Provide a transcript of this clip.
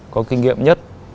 có kinh nghiệm nhất